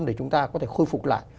để chúng ta có thể khôi phục lại